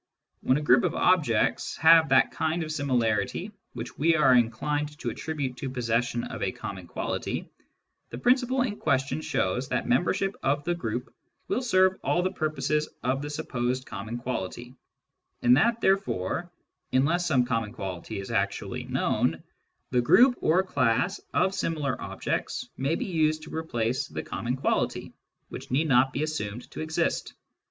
When a group of objects have . that kind of similarity which we are inclined to attribute to possession of a common quality, the principle in question shows that membership of the group will serve all the purposes ''of the supposed common quality, and that therefore, unless some common quality is actually known, the group or class of similar objects may be used to replace the common quality, which need not be assumed ^' j to exist.